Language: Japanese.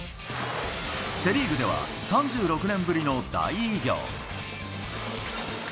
セ・リーグでは３６年ぶりの大偉業。